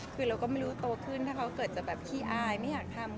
คือเราก็ไม่รู้โตขึ้นถ้าเขาเกิดจะแบบขี้อายไม่อยากทำ